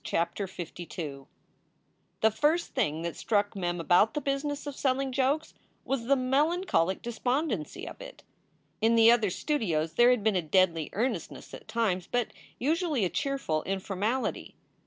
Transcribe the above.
CHAPTER LII "PHE first thing that struck Mem about the business of 1 selling jokes was the melancholic despondency of it. In the other studios there had been a deadly earnestness at times, but usually a cheerful informality.